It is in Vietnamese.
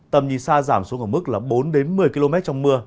tầm nhìn xa giảm xuống ở mức bốn một mươi km trong mưa